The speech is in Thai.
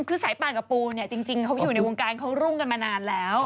คือสายป่านกับปูเนี่ยจริงเขาอยู่ในวงการเขารุ่งกันมานานแล้ว